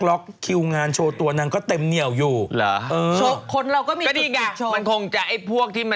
ล็อกคิวงานโชว์ตัวนั้นก็เต็มเหนียวอยู่เหรอเออคนเราก็มี